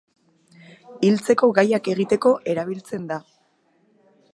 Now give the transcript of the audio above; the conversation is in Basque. Hiltzeko gaiak egiteko erabiltzen da.